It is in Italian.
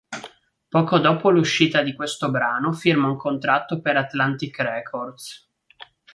Poco dopo l'uscita di questo brano firma un contratto per Atlantic Records.